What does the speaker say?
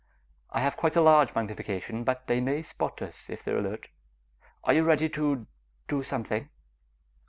I have quite a large magnification, but they may spot us if they're alert. Are you ready to ... do something?"